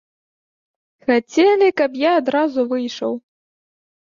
Хацелі, каб я адразу выйшаў.